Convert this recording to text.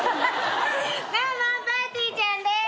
どうもぱーてぃーちゃんです！